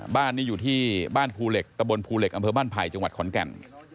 บ้านนี้อยู่ที่บ้านภูเหล็กตะบนภูเหล็กอำเภอบ้านไผ่จังหวัดขอนแก่น